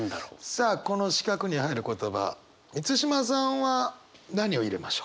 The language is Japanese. さあこの四角に入る言葉満島さんは何を入れましょう？